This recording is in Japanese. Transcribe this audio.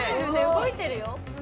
動いてるよ。